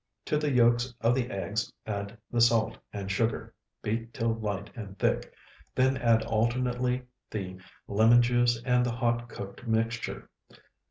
To the yolks of the eggs add the salt and sugar; beat till light and thick, then add alternately the lemon juice and the hot cooked mixture.